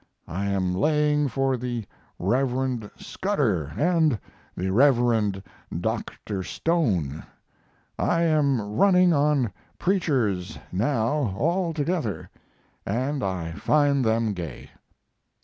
I am laying for the Reverend Scudder and the Reverend Doctor Stone. I am running on preachers now altogether, and I find them gay.